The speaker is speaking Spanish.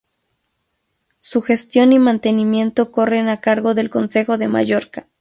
Su gestión y mantenimiento corren a cargo del Consejo de Mallorca.